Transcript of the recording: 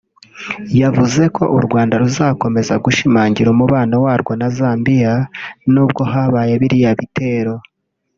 yavuze ko u Rwanda ruzakomeza gushimangira umubano warwo na Zambia nubwo habaye biriya bitero